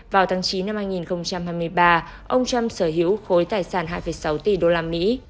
vào tháng chín năm hai nghìn hai mươi ba ông trump sở hữu khối tài sản hai sáu tỷ đô la mỹ